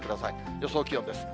予想気温です。